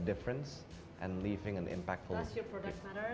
jadi produk anda lebih baik dari yang lain